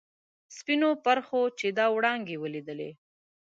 سپینو پرخو چې دا وړانګې ولیدلي.